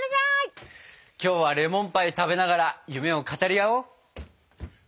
今日はレモンパイ食べながら夢を語り合おう。